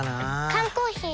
缶コーヒー